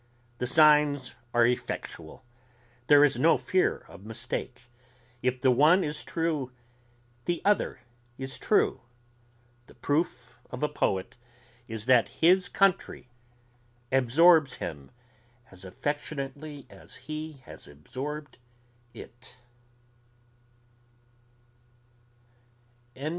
The signs are effectual. There is no fear of mistake. If the one is true the other is true. The proof of a poet is that his country absorbs him as affectionately as he has absorbed it.